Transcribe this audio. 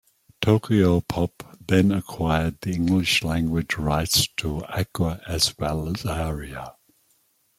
Tokyopop then acquired the English-language rights to "Aqua" as well as "Aria".